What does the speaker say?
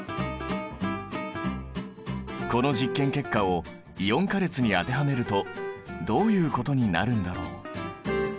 この実験結果をイオン化列に当てはめるとどういうことになるんだろう？